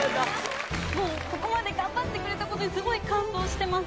もうここまで頑張ってくれた事にすごい感動してます。